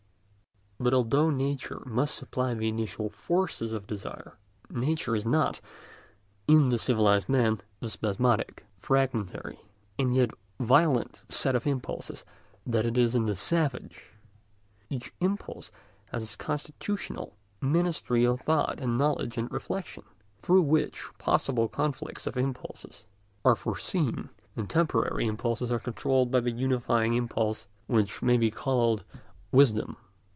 But although nature must supply the initial force of desire, nature is not, in the civilised man, the spasmodic, fragmentary, and yet violent set of impulses that it is in the savage. Each impulse has its constitutional ministry of thought and knowledge and reflection, through which possible conflicts of impulses are foreseen, and temporary impulses are controlled by the unifying impulse which may be called wisdom.